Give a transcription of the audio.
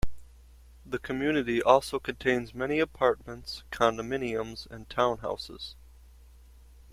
The community also contains many apartments, condominiums, and townhouses.